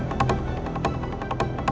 ada keributan di gerbang